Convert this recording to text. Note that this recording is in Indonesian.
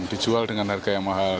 dijual dengan harga yang mahal